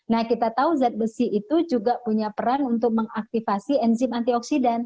nah kita tahu zat besi itu juga punya peran untuk mengaktifasi enzim antioksidan